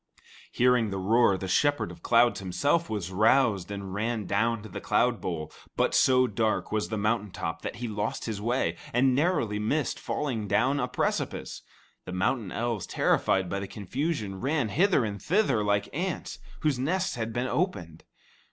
Hearing the roar, the Shepherd of Clouds himself was roused and ran down to the cloudbowl; but so dark was the mountain top that he lost his way, and narrowly missed falling down a precipice. The mountain elves, terrified by the confusion, ran hither and thither like ants whose nests had been opened.